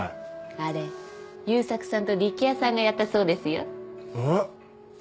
あれ優作さんと力也さんがやったそうですよ。